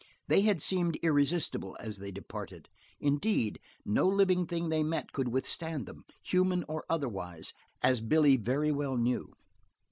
They had seemed irresistible, as they departed; indeed, no living thing they met could withstand them, human or otherwise, as Billy very well knew.